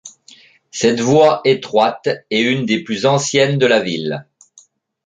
Cette voie, étroite, est une des plus anciennes de la ville.